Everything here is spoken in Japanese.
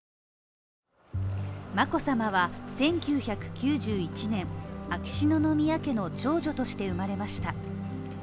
眞子さまは１９９１年秋篠宮家の長女として生まれました。